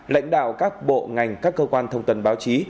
lãnh đạo các bộ ngành các cơ quan thông tấn báo chí